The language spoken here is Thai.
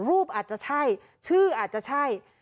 รูปอาจจะใช่ชื่ออาจจะใช่